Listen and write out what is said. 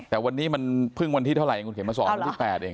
แต่วันนี้มันเพิ่งวันที่เท่าไหร่คุณเขียนมาสอนวันที่๘เอง